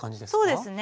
そうですね。